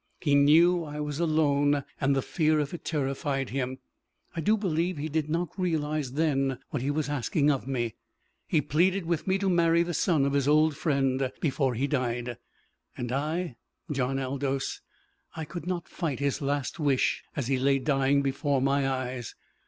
He knew I was alone, and the fear of it terrified him. I believe he did not realize then what he was asking of me. He pleaded with me to marry the son of his old friend before he died. And I John Aldous, I could not fight his last wish as he lay dying before my eyes.